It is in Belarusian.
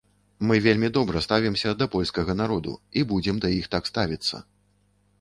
Мы вельмі добра ставімся да польскага народу і будзем да іх так ставіцца.